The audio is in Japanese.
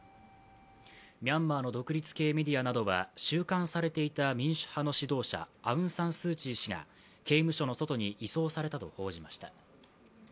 ミャンマーの独立系メディアなどは、収監されていた民主派の指導者アウン・サン・スー・チー氏が刑務所の外に移送されたと報じました。